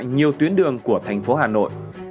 nhiều tuyến đường của thành phố hà nội